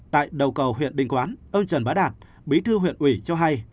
tại đầu cầu huyện đình quán ông trần bá đạt bí thư huyện ủy cho hay